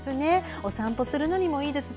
お散歩するのもいいですし。